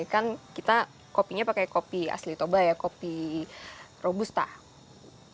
kita kopinya pakai kopi asli toba kopi robusta atau arabica